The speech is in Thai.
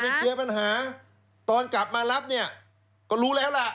เคลียร์ปัญหาตอนกลับมารับเนี่ยก็รู้แล้วล่ะ